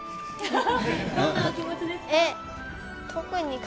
どんな気持ちですか？